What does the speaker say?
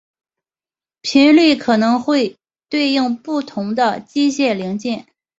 频率可能会对应不同的机械零件。